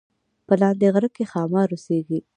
په لاندې غره کې ښامار اوسیږي